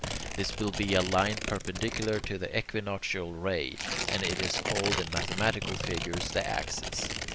This will be a line perpendicular to the equinoctial ray, and it is called in mathematical figures the axis.